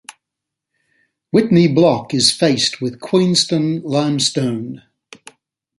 Whitney Block is faced with Queenston limestone.